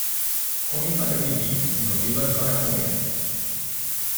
Come para vivir y no vivas para comer.